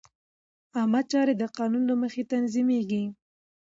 عامه چارې د قانون له مخې تنظیمېږي.